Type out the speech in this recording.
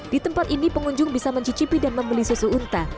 di tempat ini pengunjung bisa mencicipi dan membeli susu unta